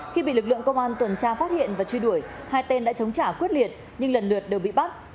khi bị lực lượng công an tuần tra phát hiện và truy đuổi hai tên đã chống trả quyết liệt nhưng lần lượt đều bị bắt